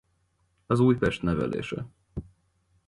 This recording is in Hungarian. Az Újpest nevelése.